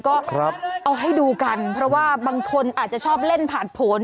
ก็เอาให้ดูกันเพราะว่าบางคนอาจจะชอบเล่นผ่านผล